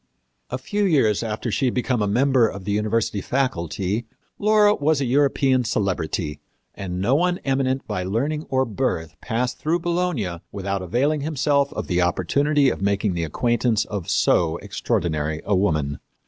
A few years after she had become a member of the university faculty Laura was a European celebrity, and no one eminent by learning or birth passed through Bologna without availing himself of the opportunity of making the acquaintance of so extraordinary a woman.